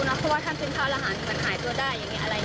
มันหายตัวได้อะไรอย่างนี้